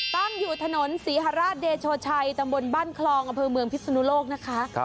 ตั้งอยู่ถนนศรีฮราชเดโชชัยตำบลบ้านคลองอำเภอเมืองพิศนุโลกนะคะ